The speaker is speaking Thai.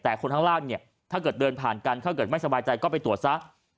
แต่คนข้างล่างเนี่ยถ้าเกิดเดินผ่านกันถ้าเกิดไม่สบายใจก็ไปตรวจซะ